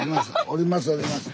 降ります。